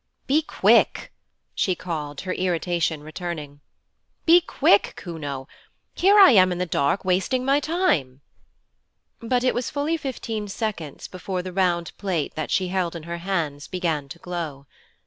'Be quick!' she called, her irritation returning. 'Be quick, Kuno; here I am in the dark wasting my time.' But it was fully fifteen seconds before the round plate that she held in her hands began to glow.